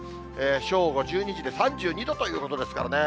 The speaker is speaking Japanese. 正午、１２時で３２度ということですからね。